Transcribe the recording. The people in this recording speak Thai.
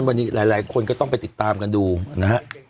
วันนี้หลายคนก็ต้องไปติดตามกันดูนะฮะ